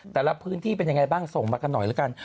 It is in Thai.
แต่ละพื้นที่เป็นยังไงบ้างส่งมากันหน่อยแล้วกัน